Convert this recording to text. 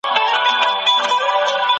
په کور کي کوچنی کتابتون جوړ کړئ.